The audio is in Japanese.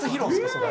それ。